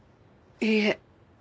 いいえ。